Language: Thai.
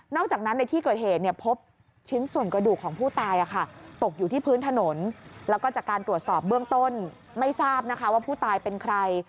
จากนั้นในที่เกิดเหตุพบชิ้นส่วนกระดูกของผู้ตายตกอยู่ที่พื้นถนนแล้วก็จากการตรวจสอบเบื้องต้นไม่ทราบนะคะว่าผู้ตายเป็นใคร